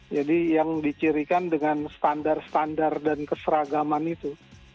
yang dicirikan dengan standar standar dan keseragaman itu